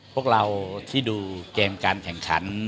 พวกเราที่ดูเกมการแข่งขัน